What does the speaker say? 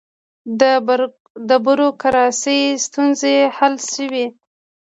د بروکراسۍ ستونزې حل شوې؟